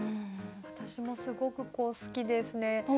私もすごく好きですね。